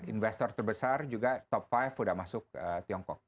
investor terbesar juga top five sudah masuk tiongkok